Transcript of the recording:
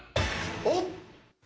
おっ！